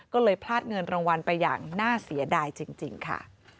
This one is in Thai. ก็เลยพลาดเงินรางวัลไปอย่างน่าเสียดายจริงค่ะ